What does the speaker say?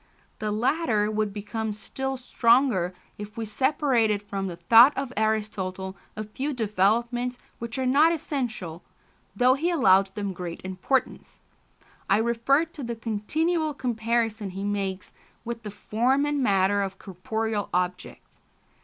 The latter would become still stronger if we separated from the thought of Aristotle a few developments which are not essential, though he allowed them great importance: I refer to the continual comparison he makes with the form and matter of corporeal objects.